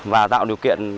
và tạo điều kiện